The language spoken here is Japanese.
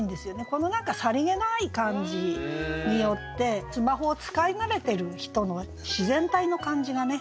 この何かさりげない感じによってスマホを使い慣れてる人の自然体の感じがね